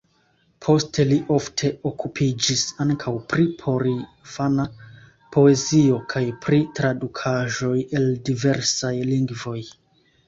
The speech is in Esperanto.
Poste li ofte okupiĝis ankaŭ pri porinfana poezio kaj pri tradukaĵoj el diversaj lingvoj.